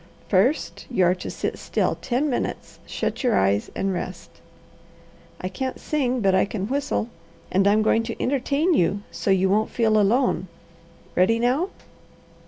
First, you are to sit still ten minutes, shut your eyes, and rest. I can't sing, but I can whistle, and I'm going to entertain you so you won't feel alone. Ready now!"